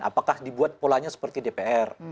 apakah dibuat polanya seperti dpr